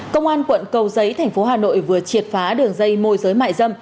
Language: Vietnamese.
công an quận cầu giấy thành phố hà nội vừa triệt phá đường dây môi giới mại dâm